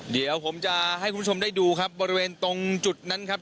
เดี๋ยวผมจะให้คุณผู้ชมได้ดูครับบริเวณตรงจุดนั้นครับ